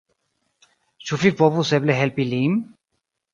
Ĉu vi povus eble helpi lin?